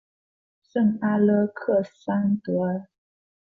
圣阿勒克桑德尔。